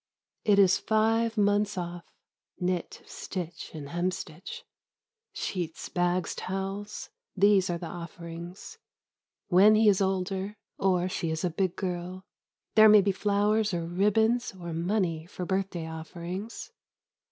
It is five months off. Knit, stitch, and hemstitch. Sheets, bags, towels, these are the offerings. When he is older — or she is a big girl — There may be flowers or ribbons or money For birthday offerings.